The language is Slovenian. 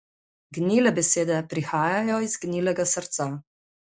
Gnile besede prihajajo iz gnilega srca.